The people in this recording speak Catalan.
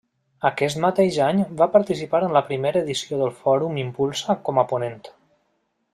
Aquest mateix any va participar en la primera edició del Fòrum Impulsa com a ponent.